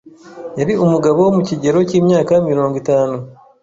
yari umugabo wo mu kigero cy'myaka mirongo itanu